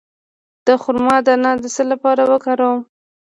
د خرما دانه د څه لپاره وکاروم؟